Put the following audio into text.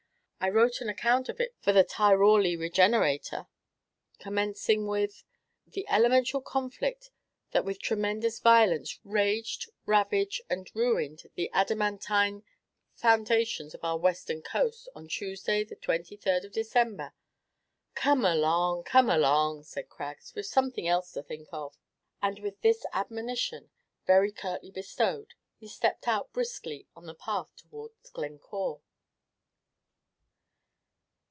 I wrote an account of it for the 'Tyrawly Regenerator,' commencing with "'The elemential conflict that with tremendious violence raged, ravaged, and ruined the adamantine foundations of our western coast, on Tuesday, the 23rd of December '" "Come along, come along," said Craggs; "we've something else to think of." And with this admonition, very curtly bestowed, he stepped out briskly on the path towards Glencore.